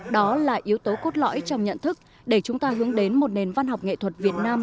đó là yếu tố cốt lõi trong nhận thức để chúng ta hướng đến một nền văn học nghệ thuật việt nam